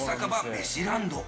メシランド。